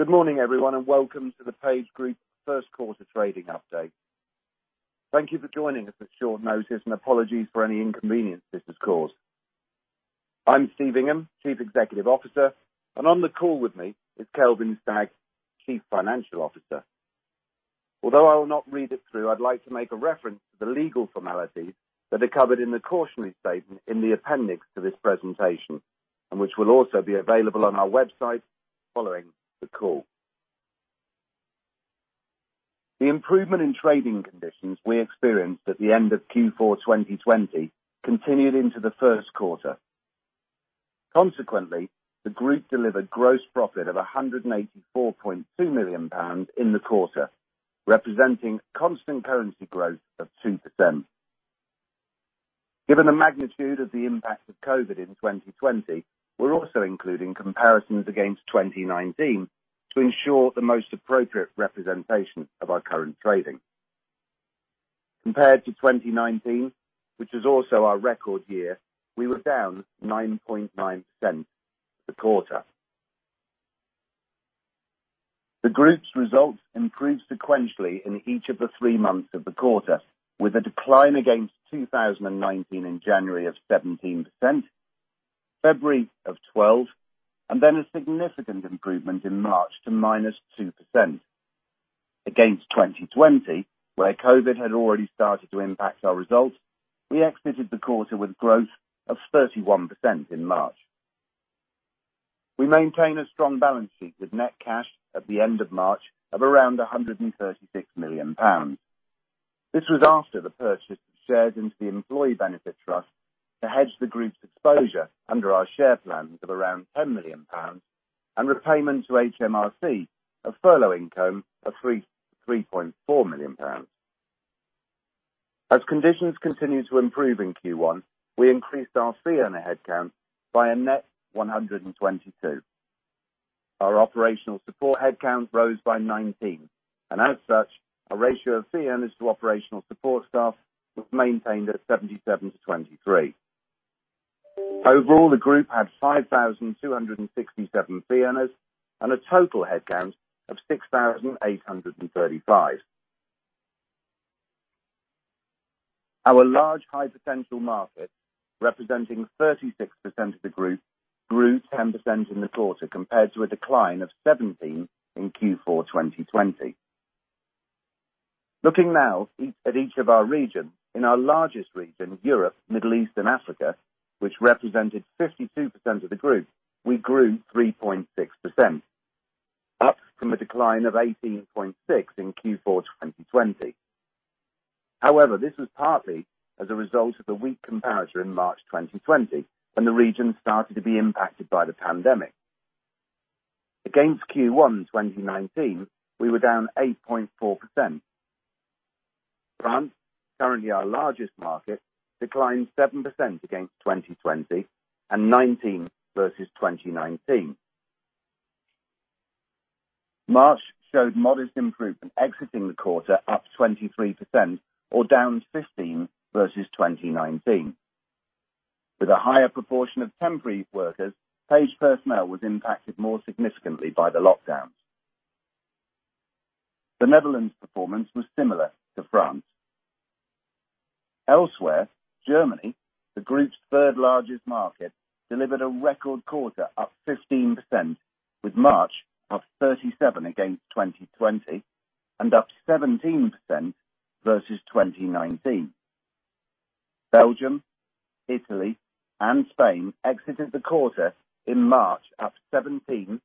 Good morning, everyone, and welcome to the PageGroup First Quarter Trading Update. Thank you for joining us at short notice, and apologies for any inconvenience this has caused. I'm Steve Ingham, Chief Executive Officer, and on the call with me is Kelvin Stagg, Chief Financial Officer. Although I will not read it through, I'd like to make a reference to the legal formalities that are covered in the cautionary statement in the appendix to this presentation, and which will also be available on our website following the call. The improvement in trading conditions we experienced at the end of Q4 2020 continued into the first quarter. Consequently, the group delivered gross profit of 184.2 million pounds in the quarter, representing constant currency growth of 2%. Given the magnitude of the impact of COVID in 2020, we're also including comparisons against 2019 to ensure the most appropriate representation of our current trading. Compared to 2019, which was also our record year, we were down 9.9% for the quarter. The group's results improved sequentially in each of the three months of the quarter, with a decline against 2019 in January of 17%, February of 12%, and then a significant improvement in March to -2%. Against 2020, where COVID had already started to impact our results, we exited the quarter with growth of 31% in March. We maintain a strong balance sheet with net cash at the end of March of around 136 million pounds. This was after the purchase of shares into the employee benefit trust to hedge the group's exposure under our share plans of around 10 million pounds and repayment to HMRC of furlough income of 3.4 million pounds. As conditions continue to improve in Q1, we increased our fee earner headcount by a net 122. Our operational support headcount rose by 19. As such, our ratio of fee earners to operational support staff was maintained at 77:23. Overall, the group had 5,267 fee earners and a total headcount of 6,835. Our large, high potential market, representing 36% of the group, grew 10% in the quarter, compared to a decline of 17% in Q4 2020. Looking now at each of our regions, in our largest region, Europe, Middle East and Africa, which represented 52% of the group, we grew 3.6%, up from a decline of 18.6% in Q4 2020. This was partly as a result of the weak comparator in March 2020, when the region started to be impacted by the pandemic. Against Q1 2019, we were down 8.4%. France, currently our largest market, declined 7% against 2020 and 19% versus 2019. March showed modest improvement exiting the quarter, up 23% or down 15% versus 2019. With a higher proportion of temporary workers, Page Personnel was impacted more significantly by the lockdowns. The Netherlands performance was similar to France. Elsewhere, Germany, the group's third largest market, delivered a record quarter up 15%, with March up 37% against 2020 and up 17% versus 2019. Belgium, Italy, and Spain exited the quarter in March up 17%,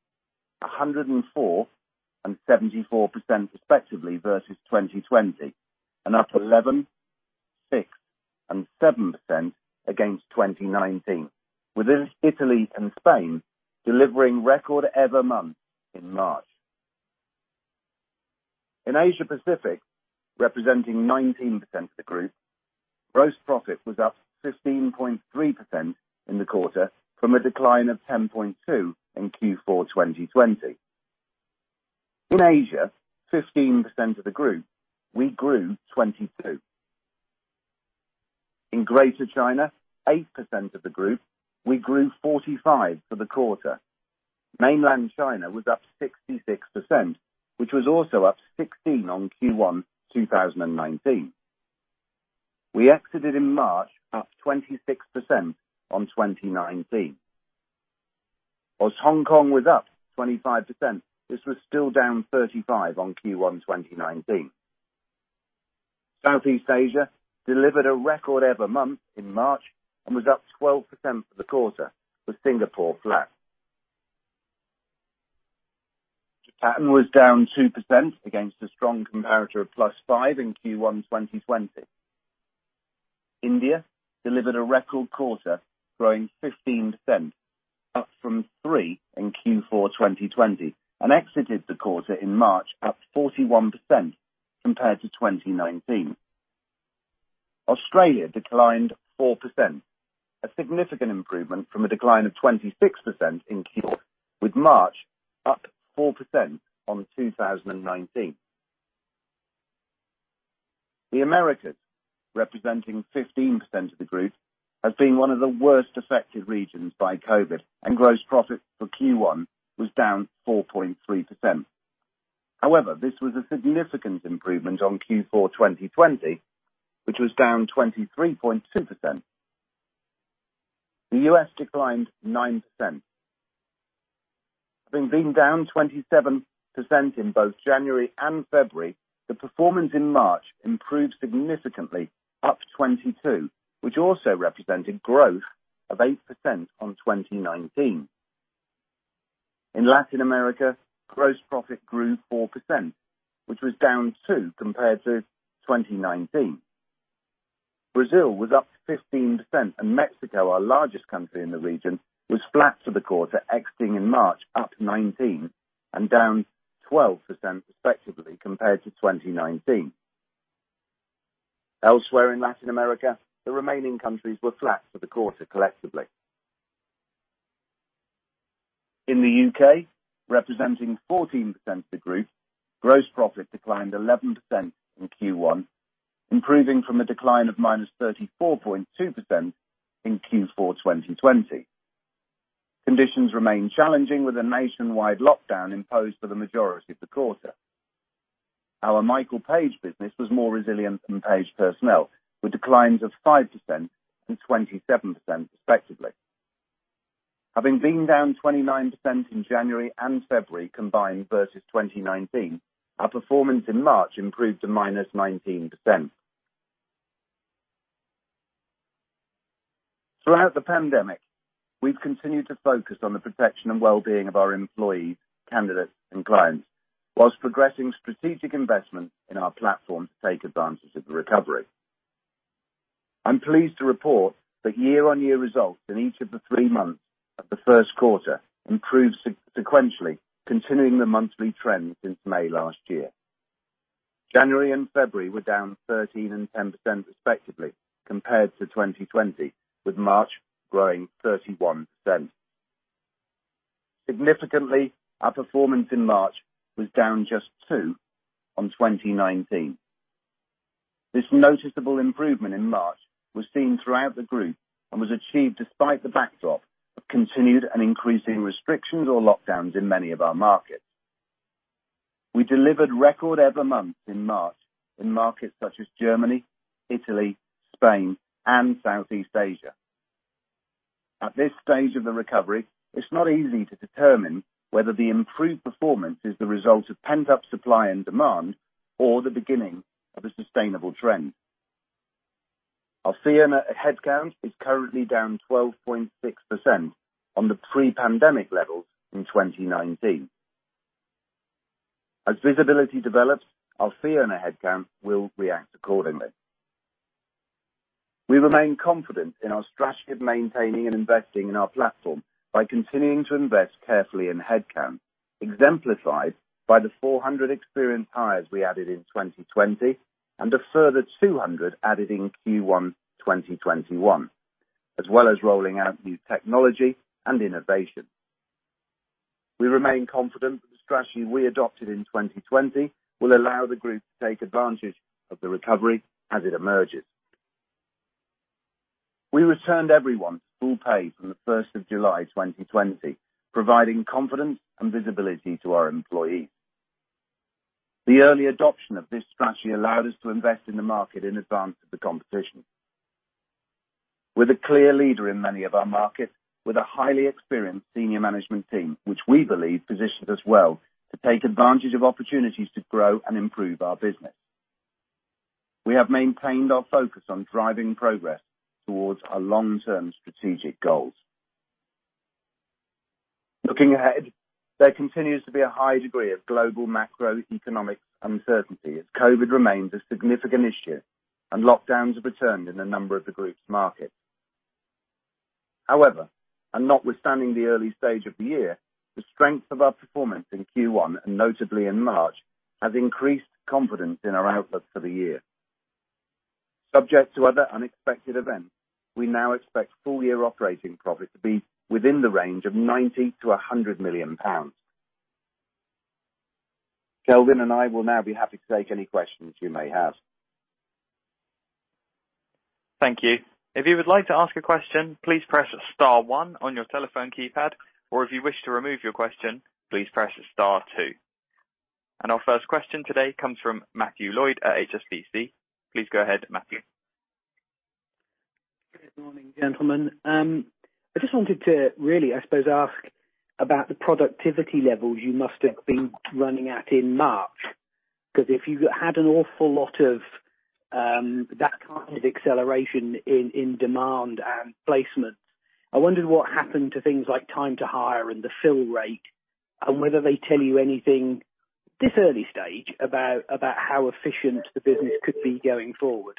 104%, and 74% respectively versus 2020, and up 11%, 6%, and 7% against 2019, with Italy and Spain delivering record ever months in March. In Asia Pacific, representing 19% of the group, gross profit was up 15.3% in the quarter from a decline of 10.2% in Q4 2020. In Asia, 15% of the group, we grew 22%. In Greater China, 8% of the group, we grew 45% for the quarter. Mainland China was up 66%, which was also up 16% on Q1 2019. We exited in March up 26% on 2019. Whilst Hong Kong was up 25%, this was still down 35% on Q1 2019. Southeast Asia delivered a record-ever month in March and was up 12% for the quarter with Singapore flat. Japan was down 2% against a strong comparator of +5% in Q1 2020. India delivered a record quarter growing 15%, up from 3% in Q4 2020, and exited the quarter in March up 41% compared to 2019. Australia declined 4%, a significant improvement from a decline of 26% in Q4, with March up 4% on 2019. The Americas, representing 15% of the group, has been one of the worst affected regions by COVID, and gross profit for Q1 was down 4.3%. However, this was a significant improvement on Q4 2020, which was down 23.2%. The U.S. declined 9%. Having been down 27% in both January and February, the performance in March improved significantly, up 22%, which also represented growth of 8% on 2019. In Latin America, gross profit grew 4%, which was down two compared to 2019. Brazil was up 15%, and Mexico, our largest country in the region, was flat for the quarter, exiting in March up 19% and down 12% respectively compared to 2019. Elsewhere in Latin America, the remaining countries were flat for the quarter collectively. In the U.K., representing 14% of the group, gross profit declined 11% in Q1, improving from a decline of -34.2% in Q4 2020. Conditions remain challenging with a nationwide lockdown imposed for the majority of the quarter. Our Michael Page business was more resilient than Page Personnel, with declines of 5% and 27% respectively. Having been down 29% in January and February combined versus 2019, our performance in March improved to -19%. Throughout the pandemic, we've continued to focus on the protection and well-being of our employees, candidates, and clients, while progressing strategic investment in our platform to take advantage of the recovery. I'm pleased to report that year-on-year results in each of the three months of the first quarter improved sequentially, continuing the monthly trend since May last year. January and February were down 13% and 10% respectively compared to 2020, with March growing 31%. Significantly, our performance in March was down just 2% on 2019. This noticeable improvement in March was seen throughout the Group and was achieved despite the backdrop of continued and increasing restrictions or lockdowns in many of our markets. We delivered record-ever months in March in markets such as Germany, Italy, Spain, and Southeast Asia. At this stage of the recovery, it's not easy to determine whether the improved performance is the result of pent-up supply and demand or the beginning of a sustainable trend. Our fee earner headcount is currently down 12.6% on the pre-pandemic levels in 2019. As visibility develops, our fee earner headcount will react accordingly. We remain confident in our strategy of maintaining and investing in our platform by continuing to invest carefully in headcount, exemplified by the 400 experienced hires we added in 2020 and a further 200 added in Q1 2021, as well as rolling out new technology and innovation. We remain confident that the strategy we adopted in 2020 will allow the group to take advantage of the recovery as it emerges. We returned everyone to full pay from the 1st July 2020, providing confidence and visibility to our employees. The early adoption of this strategy allowed us to invest in the market in advance of the competition. We're the clear leader in many of our markets with a highly experienced senior management team, which we believe positions us well to take advantage of opportunities to grow and improve our business. We have maintained our focus on driving progress towards our long-term strategic goals. Looking ahead, there continues to be a high degree of global macroeconomic uncertainty as COVID remains a significant issue and lockdowns have returned in a number of the group's markets. However, and notwithstanding the early stage of the year, the strength of our performance in Q1, and notably in March, has increased confidence in our output for the year. Subject to other unexpected events, we now expect full-year operating profit to be within the range of 90 million-100 million pounds. Kelvin and I will now be happy to take any questions you may have. Thank you. If you would like to ask question please press star one on your telephone keypad or if you wish to remove your question please press star two. Our first question today comes from Matthew Lloyd at HSBC. Please go ahead, Matthew. Good morning, gentlemen. I just wanted to really, I suppose, ask about the productivity levels you must have been running at in March, because if you had an awful lot of that kind of acceleration in demand and placements, I wondered what happened to things like time to hire and the fill rate, and whether they tell you anything this early stage about how efficient the business could be going forward.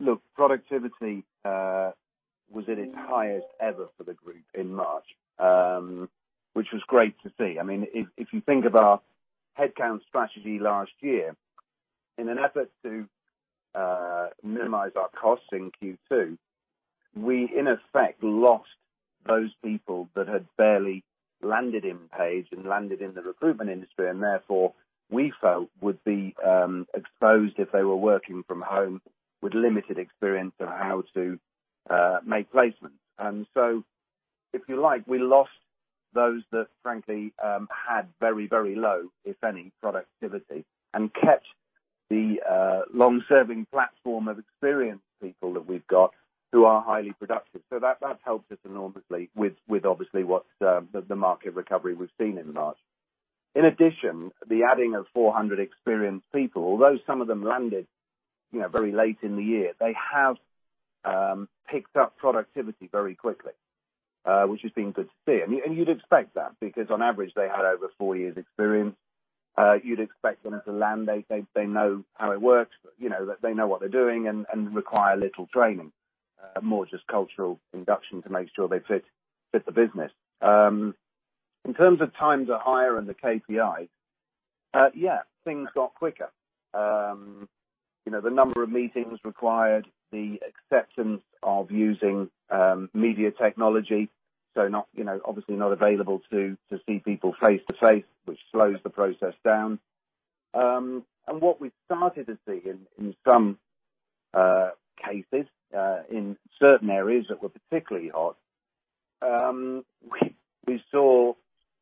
Look, productivity was at its highest ever for the Group in March, which was great to see. If you think of our headcount strategy last year. In an effort to minimize our costs in Q2, we in effect lost those people that had barely landed in PageGroup and landed in the recruitment industry, and therefore we felt would be exposed if they were working from home with limited experience of how to make placements. If you like, we lost those that frankly had very, very low, if any, productivity and kept the long-serving platform of experienced people that we've got who are highly productive. That's helped us enormously with obviously what the market recovery we've seen in March. In addition, the adding of 400 experienced people, although some of them landed very late in the year, they have picked up productivity very quickly, which has been good to see. You'd expect that, because on average, they had over four years experience. You'd expect them to land, they know how it works, they know what they're doing and require little training, more just cultural induction to make sure they fit the business. In terms of time to hire and the KPI, yeah, things got quicker. The number of meetings required, the acceptance of using media technology, so obviously not available to see people face-to-face, which slows the process down. What we started to see in some cases, in certain areas that were particularly hot,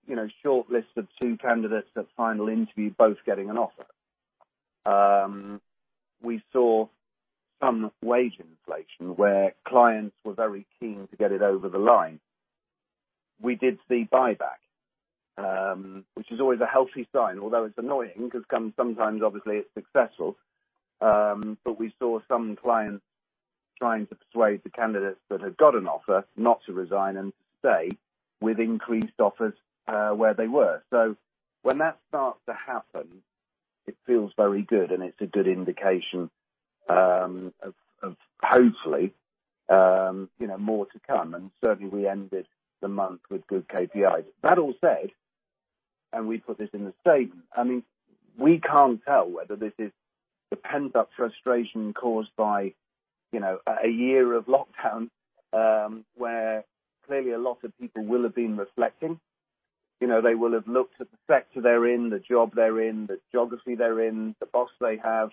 we saw shortlists of two candidates at final interview both getting an offer. We saw some wage inflation where clients were very keen to get it over the line. We did see buyback, which is always a healthy sign, although it's annoying because sometimes obviously it's successful. We saw some clients trying to persuade the candidates that had got an offer not to resign and to stay with increased offers where they were. When that starts to happen, it feels very good, and it's a good indication of hopefully more to come. Certainly, we ended the month with good KPIs. That all said, and we put this in the statement, we can't tell whether this is the pent-up frustration caused by a year of lockdown, where clearly a lot of people will have been reflecting. They will have looked at the sector they're in, the job they're in, the geography they're in, the boss they have,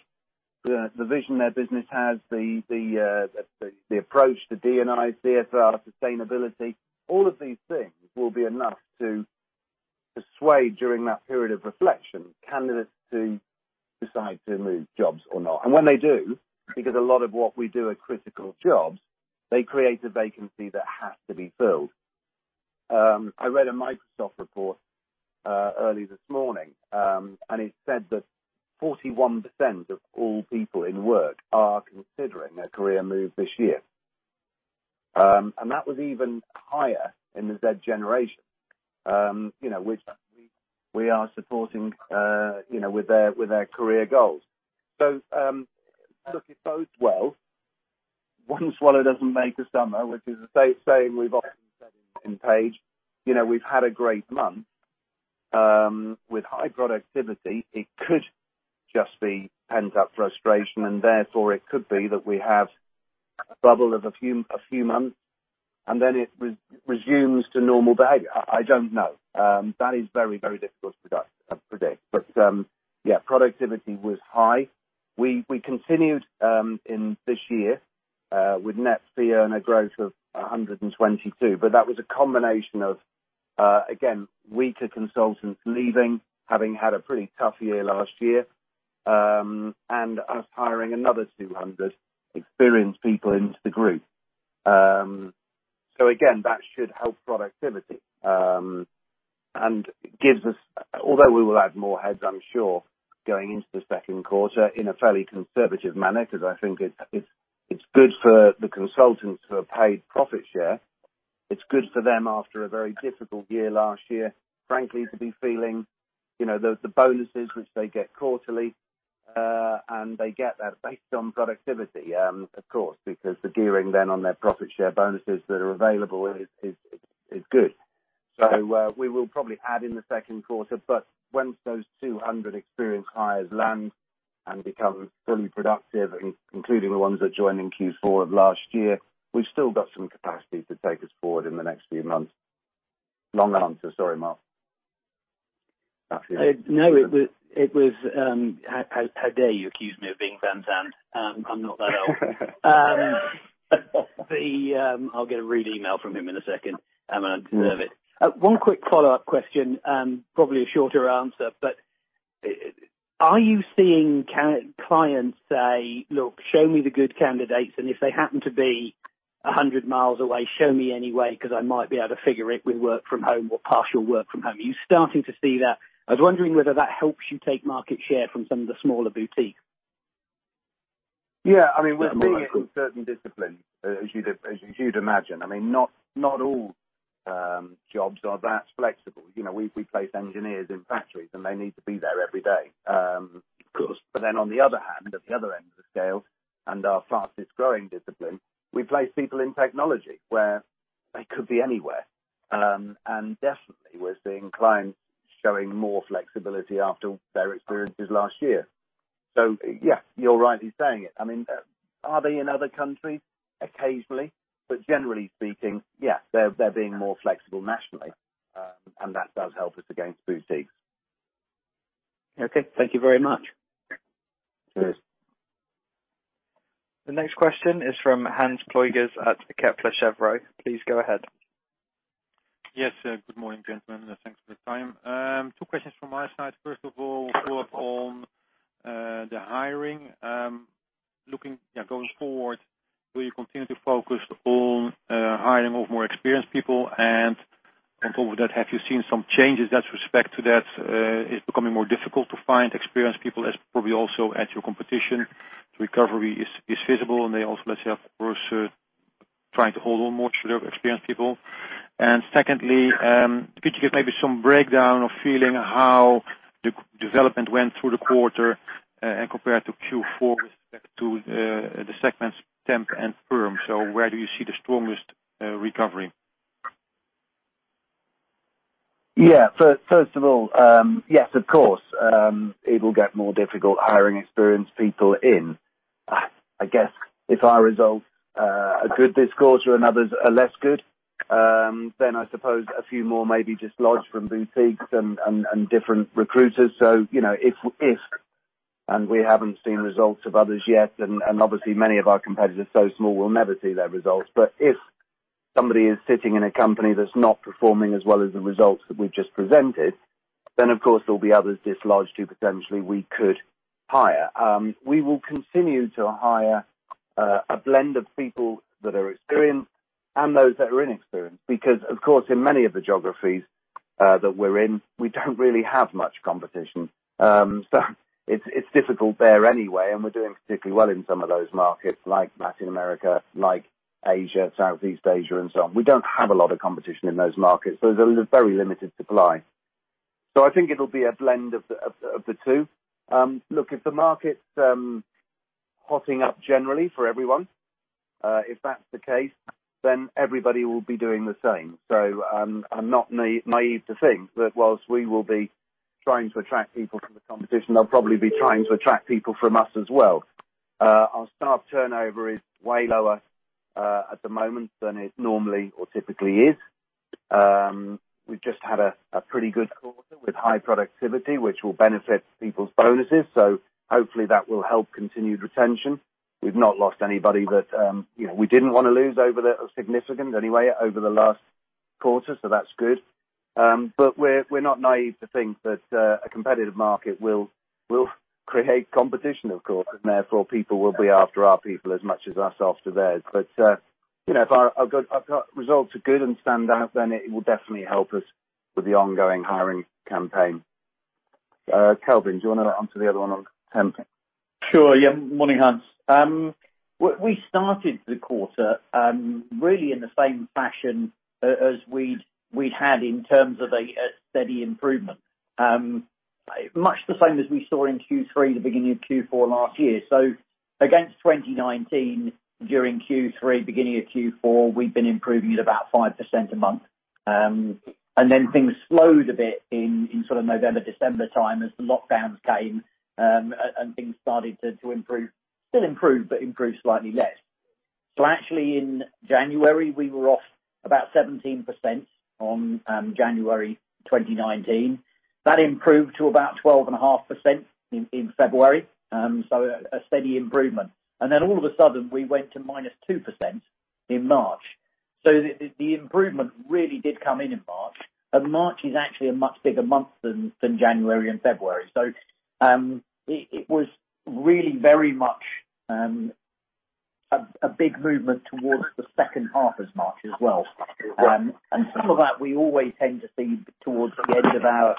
the vision their business has, the approach to D&I, CSR, sustainability. All of these things will be enough to persuade during that period of reflection, candidates to decide to move jobs or not. When they do, because a lot of what we do are critical jobs, they create a vacancy that has to be filled. I read a Microsoft report early this morning, it said that 41% of all people in work are considering a career move this year. That was even higher in the Gen Z which we are supporting with their career goals. Look, it bodes well. One swallow doesn't make a summer, which is the same we've often said in Page. We've had a great month. With high productivity, it could just be pent-up frustration, and therefore it could be that we have a bubble of a few months, and then it resumes to normal behavior. I don't know. That is very, very difficult to predict. Yeah, productivity was high. We continued in this year with net fee earner growth of 122, but that was a combination of, again, weaker consultants leaving, having had a pretty tough year last year, and us hiring another 200 experienced people into the group. Again, that should help productivity. Although we will add more heads, I'm sure, going into the second quarter in a fairly conservative manner, because I think it's good for the consultants who are paid profit share. It's good for them after a very difficult year last year, frankly, to be feeling the bonuses which they get quarterly, and they get that based on productivity, of course, because the gearing then on their profit share bonuses that are available is good. We will probably add in the second quarter, but once those 200 experienced hires land and become fully productive, including the ones that joined in Q4 of last year, we've still got some capacity to take us forward in the next few months. Long answer. Sorry, Matt. No, it was How dare you accuse me of being van Sand. I'm not that old. I'll get a red email from him in a second, and I deserve it. One quick follow-up question, probably a shorter answer, but are you seeing clients say, "Look, show me the good candidates, and if they happen to be 100 mi away, show me anyway, because I might be able to figure it with work from home or partial work from home." Are you starting to see that? I was wondering whether that helps you take market share from some of the smaller boutiques. Yeah. We're seeing it in certain disciplines, as you'd imagine. Not all jobs are that flexible. We place engineers in factories, and they need to be there every day. Of course. On the other hand, at the other end of the scale, and our fastest growing discipline, we place people in technology where they could be anywhere. Definitely we're seeing clients showing more flexibility after their experiences last year. Yes, you're right in saying it. Are they in other countries? Occasionally. Generally speaking, yes, they're being more flexible nationally, and that does help us against boutiques. Okay. Thank you very much. Cheers. The next question is from Hans-Joachim Heimbürger at Kepler Cheuvreux. Please go ahead. Yes. Good morning, gentlemen. Thanks for the time. Two questions from my side. First of all, follow-up on the hiring. Looking going forward, will you continue to focus on hiring of more experienced people? On top of that, have you seen some changes with respect to that? It's becoming more difficult to find experienced people as probably also at your competition. Recovery is feasible, and they also let's say, of course, trying to hold on more to their experienced people. Secondly, could you give maybe some breakdown of feeling how the development went through the quarter, and compared to Q4 with respect to the segments temp and perm. Where do you see the strongest recovery? First of all, yes, of course, it will get more difficult hiring experienced people in. I guess if our results are good this quarter and others are less good, then I suppose a few more may be dislodged from boutiques and different recruiters, if, and we haven't seen results of others yet, and obviously many of our competitors so small we'll never see their results. If somebody is sitting in a company that's not performing as well as the results that we've just presented, then of course there'll be others dislodged who potentially we could hire. We will continue to hire a blend of people that are experienced and those that are inexperienced, because of course, in many of the geographies that we're in, we don't really have much competition. It's difficult there anyway, and we're doing particularly well in some of those markets like Latin America, like Asia, Southeast Asia, and so on. We don't have a lot of competition in those markets. There's a very limited supply. I think it'll be a blend of the two. Look, if the market's hotting up generally for everyone, if that's the case, then everybody will be doing the same. I'm not naïve to think that whilst we will be trying to attract people from the competition, they'll probably be trying to attract people from us as well. Our staff turnover is way lower at the moment than it normally or typically is. We've just had a pretty good quarter with high productivity, which will benefit people's bonuses. Hopefully that will help continued retention. We've not lost anybody that we didn't want to lose over the significant anyway over the last quarter, so that's good. We're not naïve to think that a competitive market will create competition, of course, and therefore people will be after our people as much as us after theirs. If our results are good and stand out, then it will definitely help us with the ongoing hiring campaign. Kelvin, do you want to answer the other one on temp? Sure. Yeah. Morning, Hans. We started the quarter really in the same fashion as we'd had in terms of a steady improvement. Much the same as we saw in Q3, the beginning of Q4 last year. Against 2019, during Q3, beginning of Q4, we'd been improving at about 5% a month. Then things slowed a bit in November, December time as the lockdowns came, and things started to improve, still improve, but improve slightly less. Actually in January, we were off about 17% on January 2019. That improved to about 12.5% in February. A steady improvement. Then all of a sudden, we went to -2% in March. The improvement really did come in in March. March is actually a much bigger month than January and February. It was really very much a big movement towards the second half of March as well. Some of that we always tend to see towards the end of our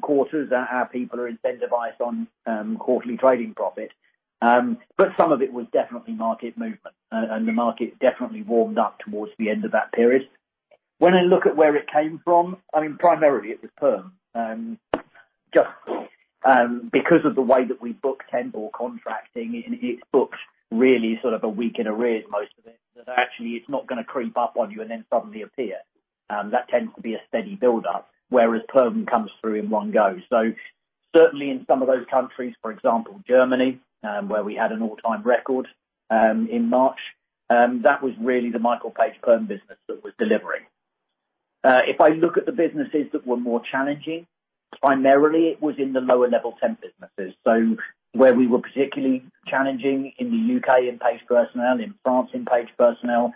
quarters, our people are incentivized on quarterly trading profit. Some of it was definitely market movement, and the market definitely warmed up towards the end of that period. When I look at where it came from, primarily it was perm. Just because of the way that we book temp or contracting, it's booked really sort of a week in arrears, most of it. Actually it's not gonna creep up on you and then suddenly appear. That tends to be a steady buildup, whereas perm comes through in one go. Certainly in some of those countries, for example, Germany, where we had an all-time record in March. That was really the Michael Page perm business that was delivering. If I look at the businesses that were more challenging, primarily it was in the lower-level temp businesses. Where we were particularly challenging in the U.K. in Page Personnel, in France in Page Personnel,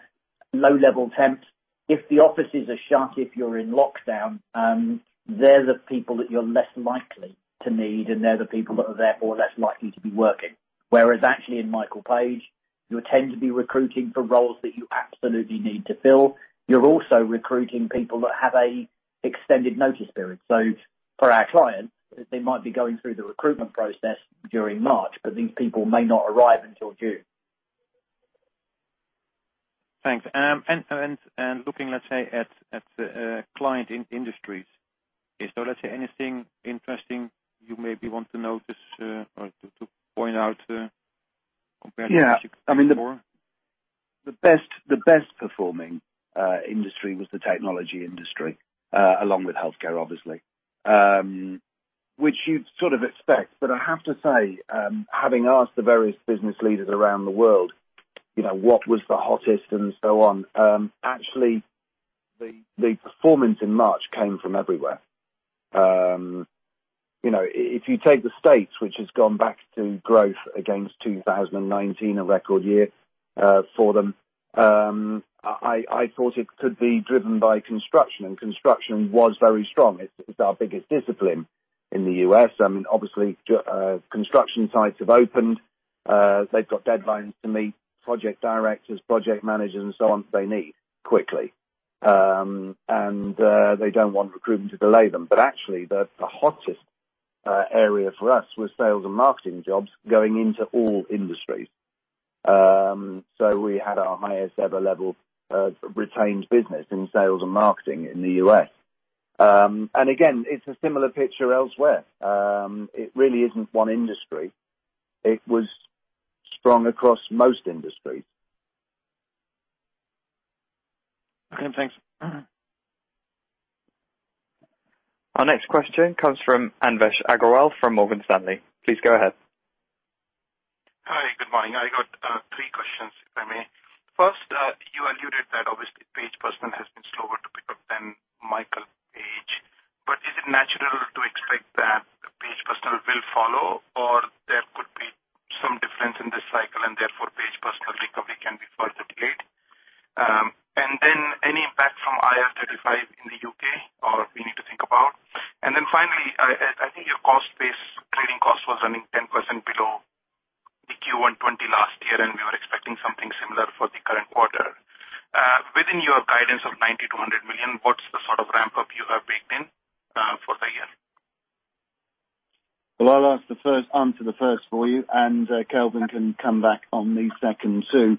low-level temps. If the offices are shut, if you're in lockdown, they're the people that you're less likely to need, and they're the people that are therefore less likely to be working. Whereas actually in Michael Page, you tend to be recruiting for roles that you absolutely need to fill. You're also recruiting people that have a extended notice period. For our clients, they might be going through the recruitment process during March, but these people may not arrive until June. Thanks. Looking, let's say at client in industries, let's say anything interesting you maybe want to notice or to point out? Yeah. The best performing industry was the technology industry, along with healthcare, obviously, which you'd sort of expect. I have to say, having asked the various business leaders around the world what was the hottest and so on, actually, the performance in March came from everywhere. If you take the U.S., which has gone back to growth against 2019, a record year for them, I thought it could be driven by construction, and construction was very strong. It's our biggest discipline in the U.S. Obviously, construction sites have opened. They've got deadlines to meet, project directors, project managers, and so on, they need quickly. They don't want recruitment to delay them. Actually, the hottest area for us was sales and marketing jobs going into all industries. We had our highest-ever level of retained business in sales and marketing in the U.S. Again, it's a similar picture elsewhere. It really isn't one industry. It was strong across most industries. Okay, thanks. Our next question comes from Anvesh Agrawal from Morgan Stanley. Please go ahead. Hi, good morning. I got three questions, if I may. First, you alluded that obviously Page Personnel has been slower to pick up than Michael Page. Is it natural to expect that Page Personnel will follow, or there could be some difference in this cycle and therefore Page Personnel recovery can be further delayed? Any impact from IR35 in the U.K. or we need to think about? Finally, I think your cost base, trading cost was running 10% below the Q1 2020 last year, and we were expecting something similar for the current quarter. Within your guidance of 90 million-100 million, what's the sort of ramp-up you have baked in for the year? Well, I'll answer the first for you, and Kelvin can come back on the second two.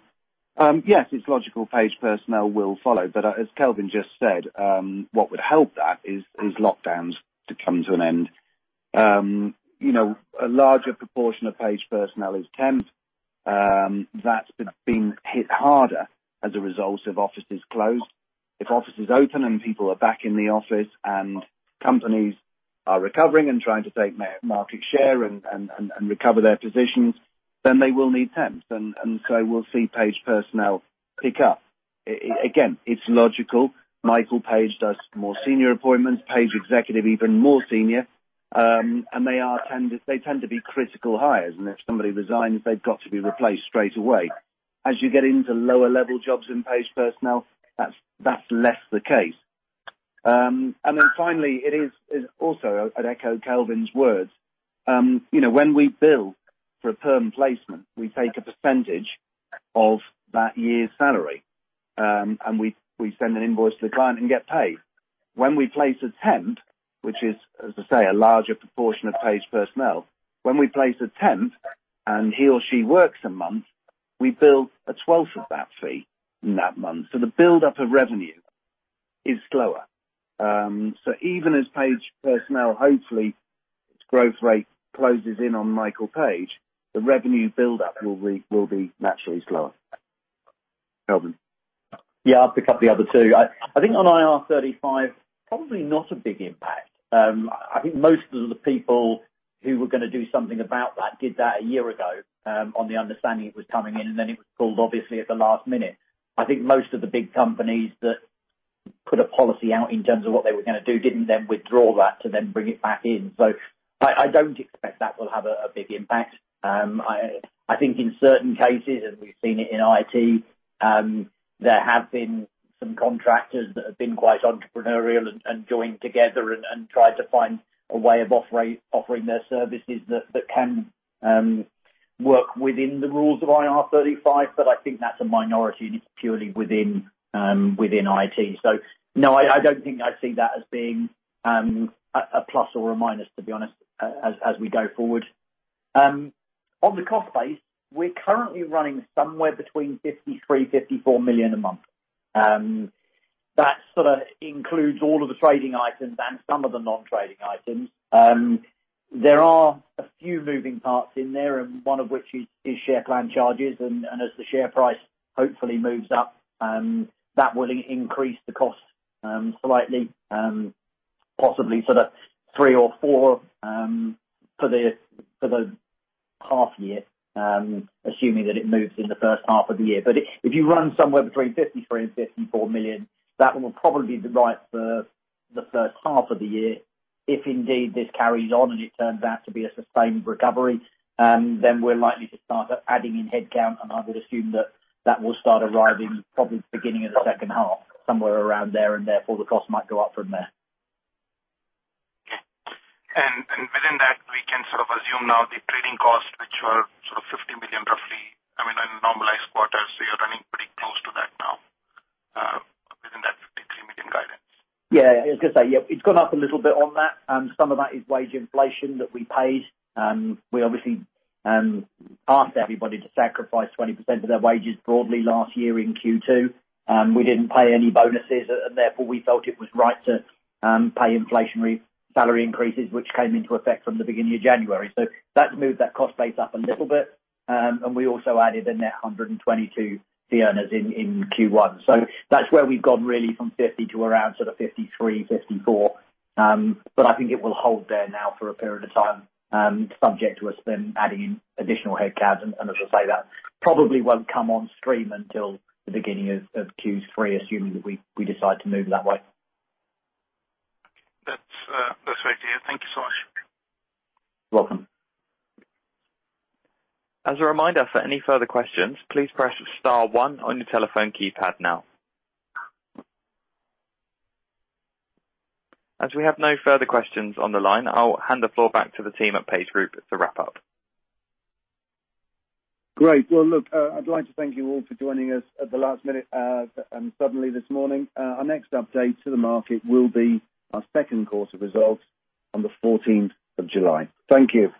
Yes, it's logical Page Personnel will follow, but as Kelvin just said, what would help that is these lockdowns to come to an end. A larger proportion of Page Personnel is temp. That's been hit harder as a result of offices closed. If offices open and people are back in the office and companies are recovering and trying to take market share and recover their positions, then they will need temps. We'll see Page Personnel pick up. Again, it's logical. Michael Page does more senior appointments, Page Executive even more senior, and they tend to be critical hires, and if somebody resigns, they've got to be replaced straight away. As you get into lower-level jobs in Page Personnel, that's less the case. Finally, it is also, I'd echo Kelvin's words. When we bill for a perm placement, we take a percentage of that year's salary, and we send an invoice to the client and get paid. When we place a temp, which is, as I say, a larger proportion of Page Personnel, when we place a temp and he or she works a month, we bill a 12th of that fee in that month. The buildup of revenue is slower. Even as Page Personnel, hopefully, its growth rate closes in on Michael Page, the revenue buildup will be naturally slower. Kelvin. I'll pick up the other two. I think on IR35, probably not a big impact. I think most of the people who were going to do something about that did that a year ago on the understanding it was coming in, and then it was pulled, obviously, at the last minute. I think most of the big companies that put a policy out in terms of what they were going to do didn't then withdraw that to then bring it back in. I don't expect that will have a big impact. I think in certain cases, and we've seen it in IT, there have been some contractors that have been quite entrepreneurial and joined together and tried to find a way of offering their services that can work within the rules of IR35. I think that's a minority, and it's purely within IT. No, I don't think I see that as being a plus or a minus, to be honest, as we go forward. On the cost base, we're currently running somewhere between 53 million and 54 million a month. That sort of includes all of the trading items and some of the non-trading items. There are a few moving parts in there, and one of which is share plan charges. As the share price hopefully moves up, that will increase the cost slightly, possibly sort of 3 million or 4 million for the half year, assuming that it moves in the first half of the year. If you run somewhere between 53 million and 54 million, that one will probably be right for the first half of the year. If indeed this carries on and it turns out to be a sustained recovery, then we're likely to start adding in headcount, and I would assume that that will start arriving probably beginning of the second half, somewhere around there, and therefore the cost might go up from there. Okay. Within that, we can sort of assume now the trading costs, which were sort of 50 million roughly, I mean, in a normalized quarter, you're running pretty close to that now within that 53 million guidance. I was going to say, it's gone up a little bit on that. Some of that is wage inflation that we paid. We obviously asked everybody to sacrifice 20% of their wages broadly last year in Q2. Therefore we felt it was right to pay inflationary salary increases, which came into effect from the beginning of January. That's moved that cost base up a little bit. We also added a net 122 fee earners in Q1. That's where we've gone really from 50 million to around sort of 53 million, 54 million. I think it will hold there now for a period of time, subject to us then adding in additional headcounts. As I say, that probably won't come on stream until the beginning of Q3, assuming that we decide to move that way. That's reassuring. Thank you so much. Welcome. As a reminder, for any further questions, please press star one on your telephone keypad now. As we have no further questions on the line, I will hand the floor back to the team at PageGroup to wrap up. Great. Well, look, I'd like to thank you all for joining us at the last minute and suddenly this morning. Our next update to the market will be our second quarter results on the 14th July. Thank you.